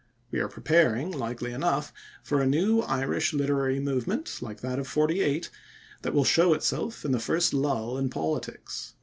We are preparing likely enough for a new Irish literary movement like that of '48 that will show itself in the first lull in politics."